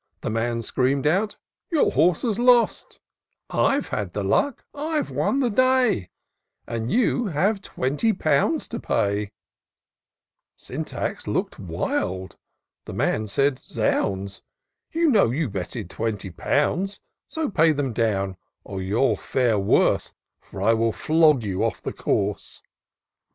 The man scream'd out —Your horse has lost IN SEARCH OF THE PICTURESQUE. 107 I've had the luck — IVe won the day, And you have twenty pounds to day." Syntax look'd wild — the man said " Zounds ! You know you betted twenty pounds; So pay them down, or you'll fare worse, For I will flog you off the course."